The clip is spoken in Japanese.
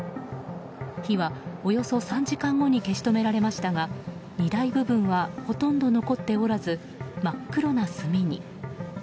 火はおよそ３時間後に消し止められましたが荷台部分はほとんど残っておらず真っ黒な炭に。